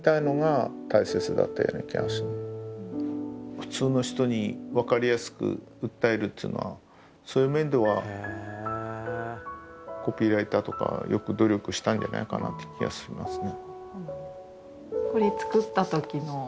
普通の人に分かりやすく訴えるっていうのはそういう面ではコピーライターとかよく努力したんじゃないかなって気がしますね。